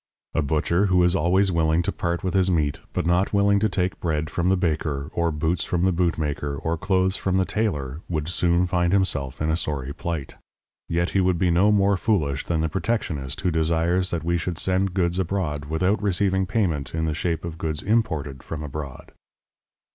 A butcher who is always willing to part with his meat but not willing to take bread from the baker, or boots from the bootmaker, or clothes from the tailor, would soon find himself in a sorry plight. Yet he would be no more foolish than the protectionist who desires that we should send goods abroad without receiving payment in the shape of goods imported from abroad.